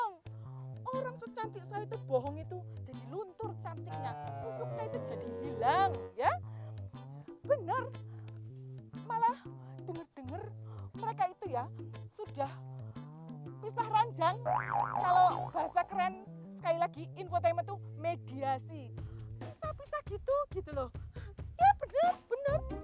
saya enggak bohong orang secantik saya itu bohong itu jadi luntur cantiknya susuknya itu jadi hilang ya bener malah denger denger mereka itu ya sudah pisah ranjang kalau bahasa keren sekali lagi infotainment itu mediasi pisah pisah gitu gitu loh ya bener bener sudah lepak